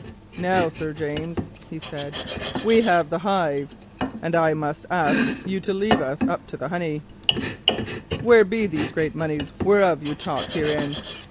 "'Now, Sir James,' he said, 'we have the hive, and I must ask you to lead us to the honey. Where be those great moneys whereof you talk herein?